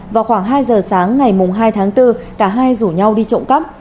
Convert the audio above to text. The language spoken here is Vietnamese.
vào khoảng hai giờ sáng ngày hai tháng bốn cả hai rủ nhau đi trộm cắp